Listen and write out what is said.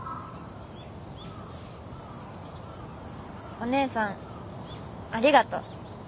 お姉さんありがと。